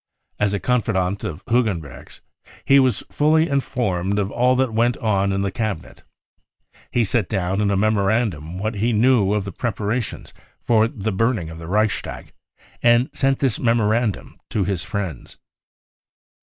As a confidant of Hugen berg's he was fully informed of all that went on in the Cabinet. He set down in a memorandum what he knew of the preparations for the burning of the Reichstag, and sent this memorandum to his friends.